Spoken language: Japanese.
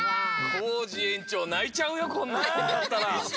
コージえんちょうないちゃうよこんなはなもらったら。